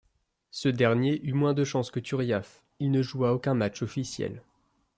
Ce dernier eut moins de chance que Turiaf, il ne joua aucun match officiel.